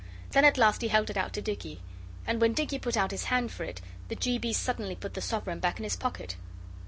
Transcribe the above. Then at last he held it out to Dicky, and when Dicky put out his hand for it the G. B. suddenly put the sovereign back in his pocket.